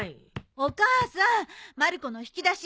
お母さんまる子の引き出し